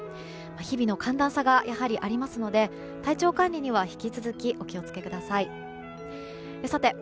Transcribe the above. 日々の寒暖差がありますので体調管理には引き続きお気を付けください。